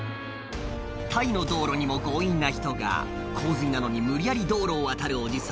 タイの道路にも強引な人が洪水なのに無理やり道路を渡るおじさん